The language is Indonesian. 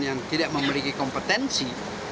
yang tidak memiliki kompetensi